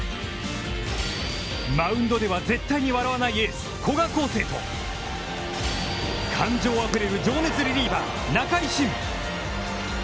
マウンドでは絶対に笑わないエース古賀康誠と感情あふれる情熱リリーバー仲井慎。